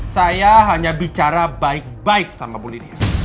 saya hanya bicara baik baik sama bu linius